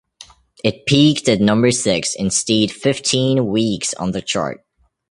It peaked at number six and stayed fifteen weeks on the chart.